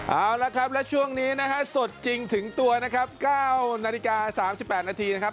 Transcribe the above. เอาละครับและช่วงนี้นะฮะสดจริงถึงตัวนะครับ๙นาฬิกา๓๘นาทีนะครับ